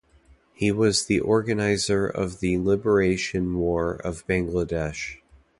He was the organizer of the Liberation War of Bangladesh.